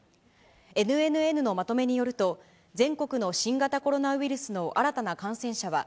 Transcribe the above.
ＮＮＮのまとめによると、全国の新型コロナウイルスの新たな感染者は、